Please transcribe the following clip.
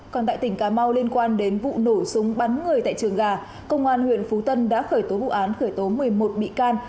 còn tại tỉnh cà mau liên quan đến vụ nổ súng bắn người tại trường gà công an huyện phú tân đã khởi tố vụ án khởi tố một mươi một bị can